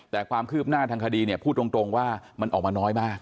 แต่ความคืบหน้าทางคดีเนี่ยพูดตรงว่ามันออกมาน้อยมาก